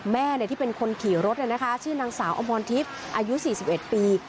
แม่ที่เป็นคนขี่รถชื่อนางสาวอมรทิพย์อายุ๔๑ปี